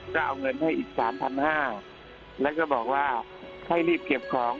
ก็เอาเงินให้อีกสามพันห้าแล้วก็บอกว่าให้รีบเก็บของ